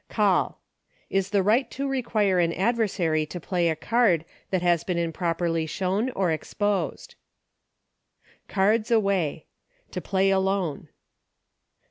Call. Is the right to require an adversary to play a card that has been improperly shown or exposed. Cards Away. To Play Alone.